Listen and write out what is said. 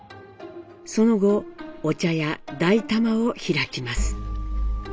その後お茶屋「大玉」を開きます。